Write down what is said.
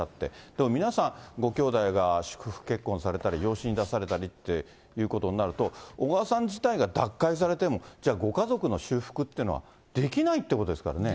でも皆さんごきょうだいが祝福結婚されたり、養子に出されたりっていうことになると、小川さん自体が脱会されても、じゃあ、ご家族の修復というのはできないってことですからね。